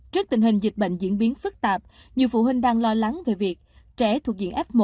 trước tình hình dịch bệnh diễn biến phức tạp nhiều phụ huynh đang lo lắng về việc trẻ thuộc diện f một